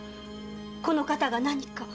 この方が何か？